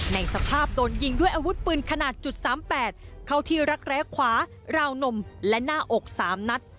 ในสภาพโดนยิงด้วยอาวุธปืนขนาด๓๘เข้าที่รักแร้ขวาราวนมและหน้าอก๓นัด